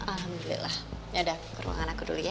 alhamdulillah ya udah ke rumah anakku dulu ya